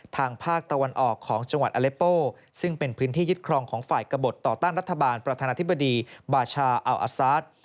ทางภาคตะวันออกของจังหวัดอเลโปซึ่งเป็นพื้นที่ยึดครองของฝ่ายกระบดต่อต้านรัฐบาลประธานาธิบดีบาชาอัลอาซาส